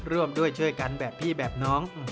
ร่วมด้วยช่วยกันแบบพี่แบบน้อง